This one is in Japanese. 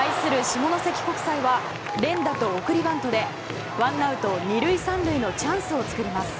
下関国際は連打と送りバントでワンアウト２塁３塁のチャンスを作ります。